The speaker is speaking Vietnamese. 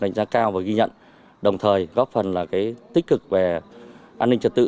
đánh giá cao và ghi nhận đồng thời góp phần là tích cực về an ninh trật tự